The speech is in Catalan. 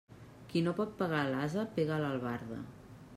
Qui no pot pegar a l'ase pega a l'albarda.